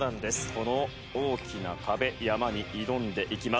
この大きな壁山に挑んでいきます。